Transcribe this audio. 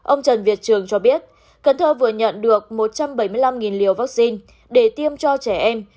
ông trần việt trường cho biết cần thơ vừa nhận được một trăm bảy mươi năm liều vaccine để tiêm cho trẻ em